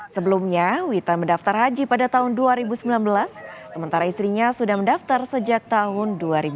sebelumnya witan mendaftar haji pada tahun dua ribu sembilan belas sementara istrinya sudah mendaftar sejak tahun dua ribu sembilan belas